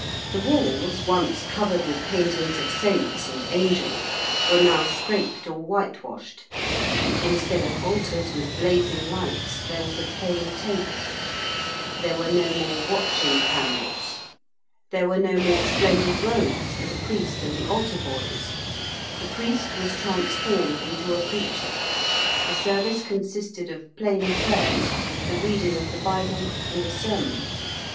The walls, once covered with paintings of saints and angels, were now scraped or whitewashed: instead of altars with blazing lights, there was a plain table: there were no more watching candles: there were no more splendid robes for the priest and the altar boys: the priest was transformed into a preacher: the service consisted of plain prayers, the reading of the Bible, and a sermon.